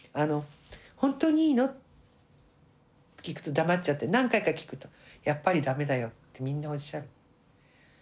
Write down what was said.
「本当にいいの？」って聞くと黙っちゃって何回か聞くと「やっぱりだめだよ」ってみんなおっしゃる。